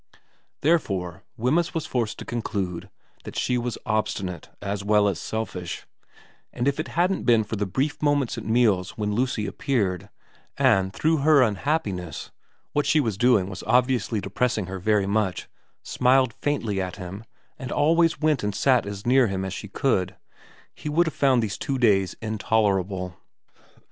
Therefore Wemyss was forced to conclude that she was obstinate as well as selfish ; and if it hadn't been for the brief moments at meals when Lucy appeared, and through her unhappiness what she was doing was obviously depressing her very much smiled faintly at 62 VERA v him and always went and sat as near him as she could, he would have found these two days intolerable.